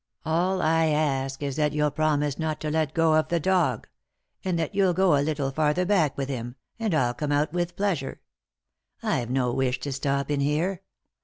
All I ask is that you'll promise not to let go of the dog, and that you'll go a little farther back with him, and I'll come out with pleasure. I've no wish to stop in here.